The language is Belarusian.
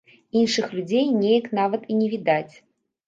Іншых людзей неяк нават і не відаць.